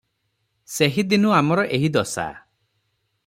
ସେହିଦିନୁ ଆମର ଏହି ଦଶା ।